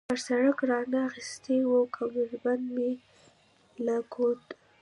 پر سړک را نه اخیستې وه، کمربند مې له کوټ.